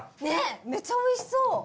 ねっめちゃおいしそう。